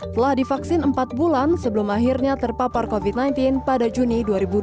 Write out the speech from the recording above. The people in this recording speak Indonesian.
telah divaksin empat bulan sebelum akhirnya terpapar covid sembilan belas pada juni dua ribu dua puluh